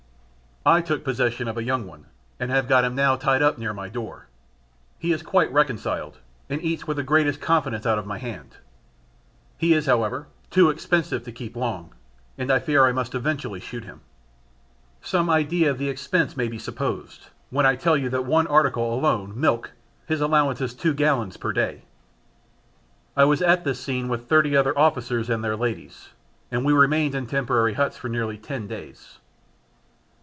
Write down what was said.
I took possession of a young one, and have got him now tied up near my door; he is quite reconciled, and eats with the greatest confidence out of my hand; he is, however, too expensive to keep long, and I fear I must eventually shoot him. Some idea of the expense may be supposed, when I tell you that in one article alone, milk, his allowance is two gallons per day. I was at this scene with thirty other officers and their ladies, and we remained in temporary huts for nearly ten days.